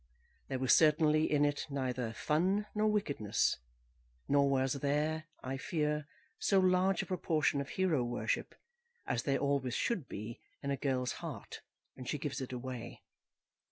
There was certainly in it neither fun nor wickedness; nor was there, I fear, so large a proportion of hero worship as there always should be in a girl's heart when she gives it away.